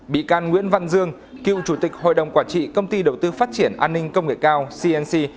bị can nguyễn văn dương cựu chủ tịch hội đồng quản trị công ty đầu tư phát triển an ninh công nghệ cao cnc